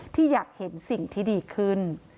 ที่อยากเห็นสิ่งที่ดีขึ้น